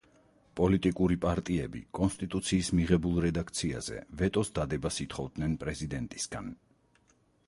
პოლიტიკური პარტიები კონსტიტუციის მიღებულ რედაქციაზე ვეტოს დადებას ითხოვდნენ პრეზიდენტისგან.